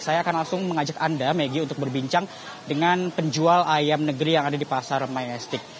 saya akan langsung mengajak anda megi untuk berbincang dengan penjual ayam negeri yang ada di pasar majestic